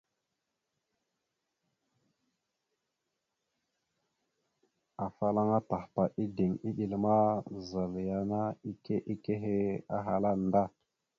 Afalaŋa Tahpa ideŋ iɗel ma, zal yana ike ekehe ahala nda.